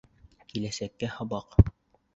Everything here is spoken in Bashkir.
Киләсәккә һабаҡ.